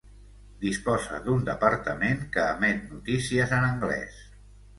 Disposa d'un departament que emet notícies en anglès.